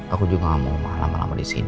aku juga gak mau lama lama disini